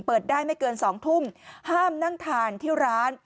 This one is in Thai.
เปิดได้ไม่เกิน๒ทุ่มห้ามนั่งทานที่ร้าน